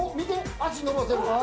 足を伸ばせる。